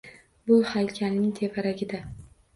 Bu haykalning tevaragida